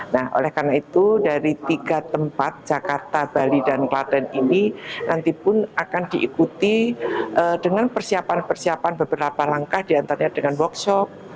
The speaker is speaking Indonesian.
nah oleh karena itu dari tiga tempat jakarta bali dan klaten ini nanti pun akan diikuti dengan persiapan persiapan beberapa langkah diantaranya dengan workshop